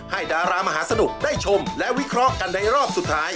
ดารามหาสนุกได้ชมและวิเคราะห์กันในรอบสุดท้าย